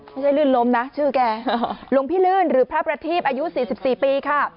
ไม่ใช่ลื่นลมนะชื่อแกหลวงพี่ลื่นหรือพระประทีพอายุสี่สิบสี่ปีค่ะ